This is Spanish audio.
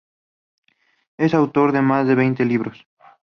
Es autor de más de veinte libros.